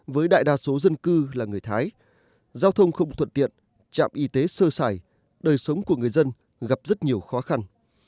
với đại đa số dân cư là người thái giao thông không thuận tiện trạm y tế sơ xài đời sống của người dân gặp rất nhiều khó khăn